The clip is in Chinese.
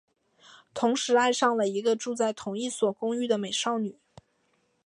同时爱上了一个住在同一所公寓的美丽少女。